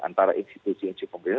antara institusi institusi pembangunan